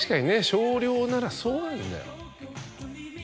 少量ならそうなんだよ。